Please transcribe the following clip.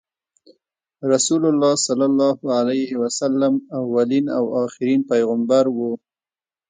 رسول الله ص اولین او اخرین پیغمبر وو۔